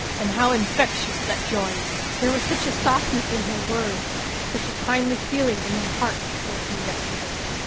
And how infectious that joy is ! There was such a softness in her words, such a kindly feeling in her heart towards me yesterday.